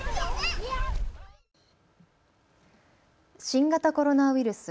新型コロナウイルス。